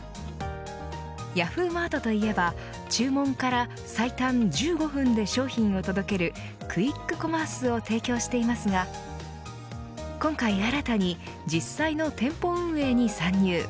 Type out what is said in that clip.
ヤフーマートといえば注文から最短１５分で商品を届けるクイックコマースを提供していますが今回、新たに実際の店舗運営に参入。